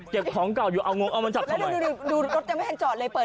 เก็บของเก่าอยู่เอางงเอามันจับเข้าไป